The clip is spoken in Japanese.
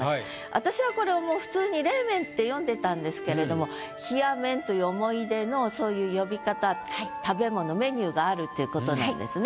私はこれをもう普通に「れいめん」って読んでたんですけれども「ひやめん」という思い出のそういう読み方食べ物メニューがあるっていうことなんですね。